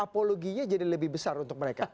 apologinya jadi lebih besar untuk mereka